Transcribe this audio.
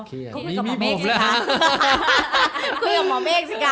คุยกับหมอเมฆสิกะ